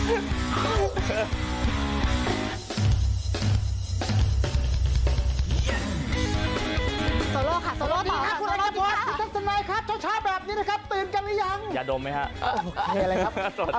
ตื่นกันหรือยังอย่าดมไหมฮะโอเคเลยครับอารมณ์รักอารมณ์แบบนี้นะครับ